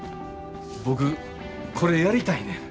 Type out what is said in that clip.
僕これやりたいねん。